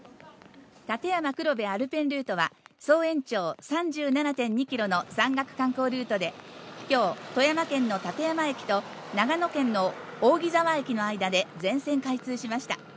立山黒部アルペンルートは総延長３７．２ｋｍの山岳観光ルートで、今日、富山県の立山駅と長野県の扇沢駅の間で全線開通しました。